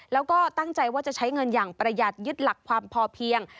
แล้วก็ตั้งใจว่าจะใช้เงินอย่างประหยัดยึดหลักความพอเพียง